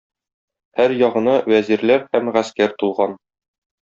Һәр ягына вәзирләр һәм гаскәр тулган.